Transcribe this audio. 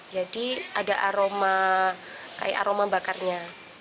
jadi ada aroma kayak aroma bakarnya